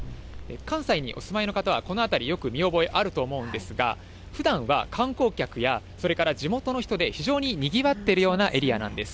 関西にお住まいの方は、この辺り、よく見覚えあると思うんですが、ふだんは観光客やそれから地元の人で非常ににぎわっているようなエリアなんです。